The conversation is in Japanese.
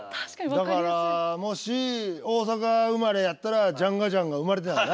だからもし大阪生まれやったらジャンガジャンガ生まれてないな。